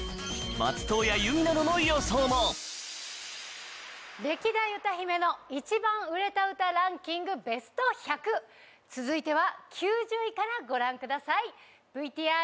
松任谷由実などの予想も歴代歌姫の一番売れた歌ランキングＢｅｓｔ１００続いては９０位からご覧ください